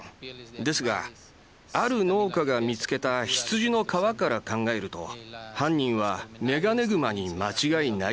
ですがある農家が見つけた羊の皮から考えると犯人はメガネグマに間違いないでしょう。